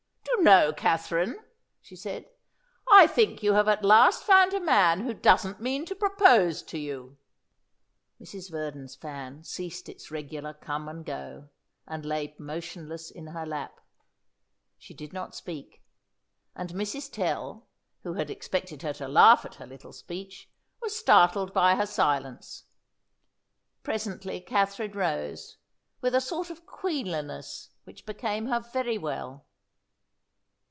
"Do you know, Katherine," she said, "I think you have at last found a man who doesn't mean to propose to you?" Mrs. Verdon's fan ceased its regular come and go and lay motionless in her lap. She did not speak, and Mrs. Tell, who had expected her to laugh at her little speech, was startled by her silence. Presently Katherine rose, with a sort of queenliness which became her very well.